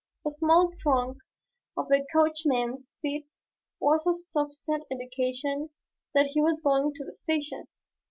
A small trunk on the coachman's seat was a sufficient indication that he was going to the station.